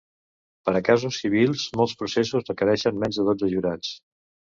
Per a casos civils, molts processos requereixen menys de dotze jurats.